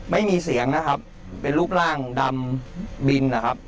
ไม่มีเสียงนะครับเป็นรูปร่างดำบินนะครับ